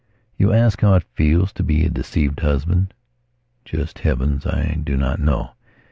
You ask how it feels to be a deceived husband. Just Heavens, I do not know.